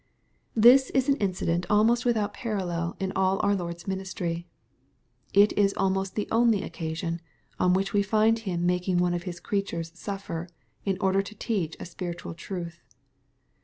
This is an incident alniost without parallel in all our Lord's ministry. ( It is almost the only occasion on which we find Him making one of His creatures suffer, in order to teach a spiritual truth.'